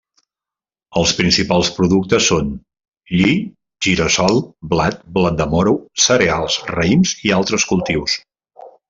Els principals productes són: lli, gira-sol, blat, blat de moro, cereals, raïms i altres cultius.